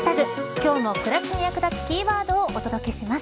今日も暮らしに役立つキーワードをお届けします。